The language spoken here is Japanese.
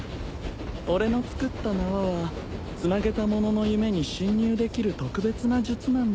俺の作った縄はつなげた者の夢に侵入できる特別な術なんだ。